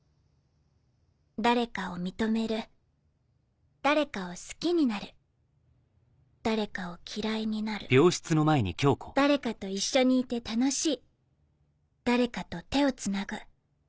誰かを認める誰かを好きになる誰かを嫌いになる誰かと一緒にいて楽しい誰かと手をつなぐ。